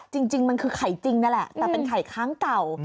จริงมันคือไข่จริงนั่นแหละแต่เป็นไข่ค้างเก่า